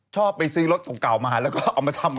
ชอบไปซื้อรถเก่ามาแล้วก็เอามาทำ